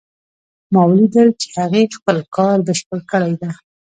ما ولیدل چې هغې خپل کار بشپړ کړی ده